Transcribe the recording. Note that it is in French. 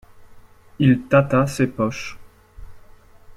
Il tâta ses poches.